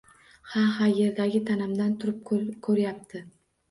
Ha, ha, yerdagi tanamdan turib ko‘ryapti